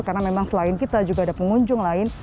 karena memang selain kita juga ada pengunjung lain